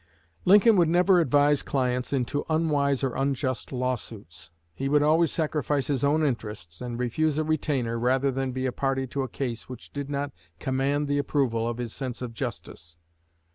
Lincoln would never advise clients into unwise or unjust lawsuits. He would always sacrifice his own interests, and refuse a retainer, rather than be a party to a case which did not command the approval of his sense of justice.